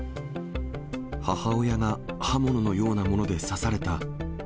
母親が刃物のようなもので刺された。